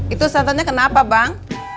itu santannya kenapa bang